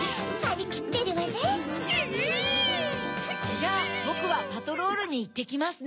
じゃあぼくはパトロールにいってきますね。